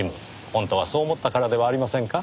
本当はそう思ったからではありませんか？